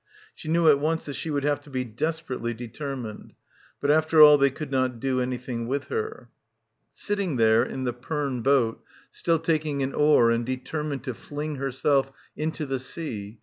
She knew at once that she would have to be desperately determined. ... But after all they could not do anything with her. Sitting there, in the Perne boat, still taking an oar and determined to fling herself into the sea — 262 — BACKWATER ...